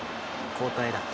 交代だ。